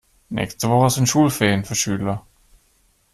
Nächste Woche sind Schulferien für Schüler.